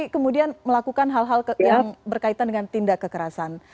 kemudian melakukan hal hal yang berkaitan dengan tindak kekerasan